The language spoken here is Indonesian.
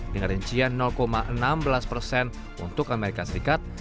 dengan rincian enam belas persen untuk amerika serikat